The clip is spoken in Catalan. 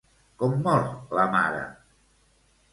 Com mor la mare?